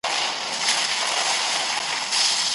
څېړونکو د ټولنې حالت ارزوه.